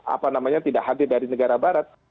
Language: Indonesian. apa namanya tidak hadir dari negara barat